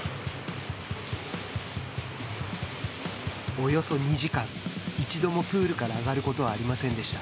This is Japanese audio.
およそ２時間一度もプールから上がることはありませんでした。